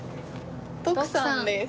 徳さんです。